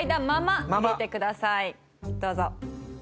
どうぞ。